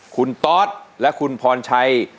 คุณตอสและคุณพรชัย